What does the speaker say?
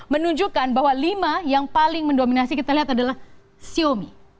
menunjukkan bahwa lima yang paling mendominasi kita lihat adalah xiaomi